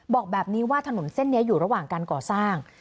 บอกแบบนี้ว่าถนนเส้นนี้อยู่ระหว่างการก่อสร้าง